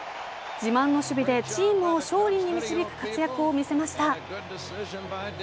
自慢の守備でチームを勝利に導く活躍を見せました。